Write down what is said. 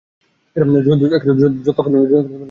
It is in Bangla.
যতক্ষণ তুই নিজের মনের মতো কিছু করছিস, আমি তাতে সম্পূর্ণ খুশি।